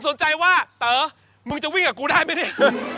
สนใจว่าเต๋อมึงจะวิ่งกับกูได้ไหมเนี่ย